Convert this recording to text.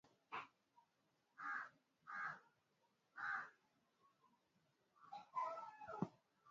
nani mgombea kiti cha urais